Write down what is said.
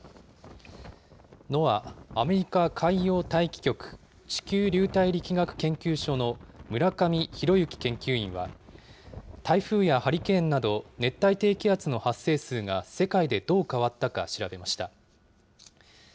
ＮＯＡＡ・アメリカ海洋大気局、地球流体力学研究所の村上裕之研究員は、台風やハリケーンなど、熱帯低気圧の発生数が世界でどう変わったか調べました。